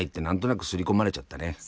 何となくすり込まれちゃってね。